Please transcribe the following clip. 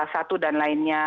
satu dan lainnya